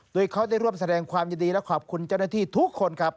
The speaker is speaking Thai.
โดยเขาได้ร่วมแสดงความยินดีและขอบคุณเจ้าหน้าที่ทุกคนครับ